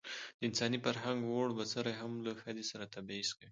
د انساني فرهنګ ووړ بڅرى هم له ښځې سره تبعيض کوي.